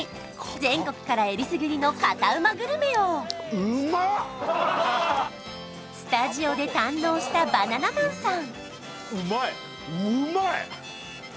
全国からえりすぐりのカタうまグルメをスタジオで堪能したバナナマンさん